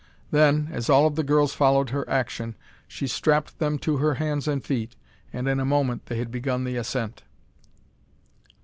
Then, as all of the girls followed her action, she strapped them to her hands and feet, and in a moment they had begun the ascent.